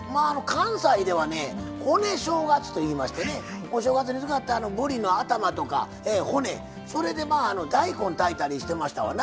関西ではね骨正月といいましてねお正月に使ったぶりの頭とか骨それで大根炊いたりしてましたわな。